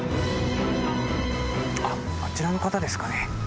あっあちらの方ですかね。